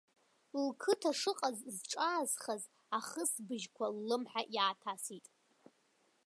Лқыҭа шыҟаз зҿаазхаз ахысбыжьқәа ллымҳа иааҭасит.